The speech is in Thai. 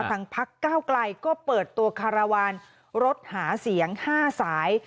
พักเก้าไกลก็เปิดตัวคารวาลรถหาเสียง๕สาย